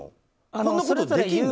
こんなことできるの？